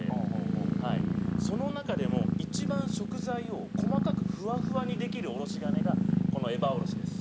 その中でも一番食材を細かくふわふわにできるおろし金がこのエバーおろしです。